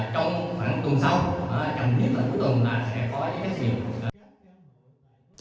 trong khoảng tuần sau chẳng biết là cuối tuần là sẽ có cái gì